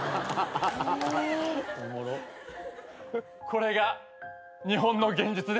これが日本の現実です。